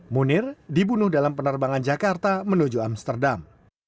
munir dibunuh dalam penerbangan jakarta menuju amsterdam